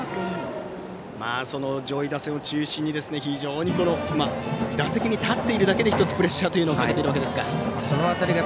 その上位打線を中心に打席に立っているだけで１つ、プレッシャーというのをかけているわけですが。